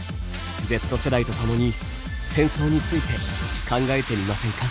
Ｚ世代と共に戦争について考えてみませんか。